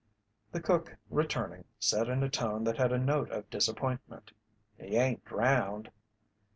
The cook, returning, said in a tone that had a note of disappointment. "He ain't drowned."